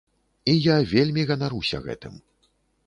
І я вельмі ганаруся гэтым.